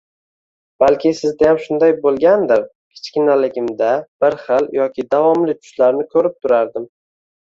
Balki sizdayam shunday boʻlgandir, kichkinaligimda bir xil yoki davomli tushlarni koʻrib turardim.